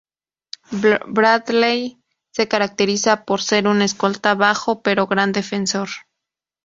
Bradley se caracteriza por ser un escolta bajo, pero gran defensor.